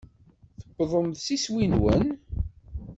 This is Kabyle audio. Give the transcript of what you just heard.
Tuwḍem s iswi-nwen.